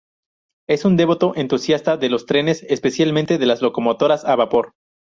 Es un devoto entusiasta de los trenes, especialmente de las locomotoras a vapor.